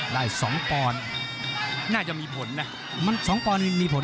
ได้๒ปอนด์น่าจะมีผลนะมันสองปอนด์มีผล